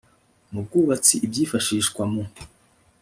mu bwubatsi ibyifashishwa mu